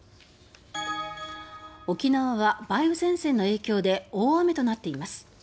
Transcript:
沖縄は梅雨前線の影響で大雨となっています。